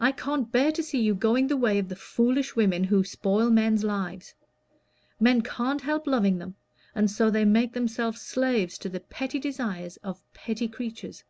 "I can't bear to see you going the way of the foolish women who spoil men's lives. Men can't help loving them, and so they make themselves slaves to the petty desires of petty creatures.